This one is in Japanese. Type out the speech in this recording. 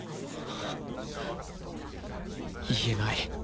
言えない。